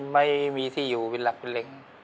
ไม่มีที่อยู่เป็นหลักเป็นเล็ง